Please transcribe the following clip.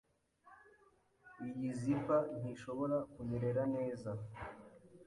Iyi zipper ntishobora kunyerera neza.